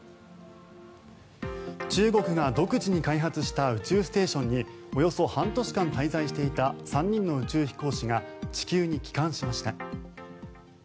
中国が独自に開発した宇宙ステーションにおよそ半年間滞在していた３人の宇宙飛行士が地球に帰還しました。